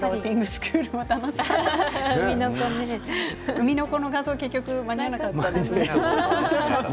うみのこの画像結局間に合わなかった。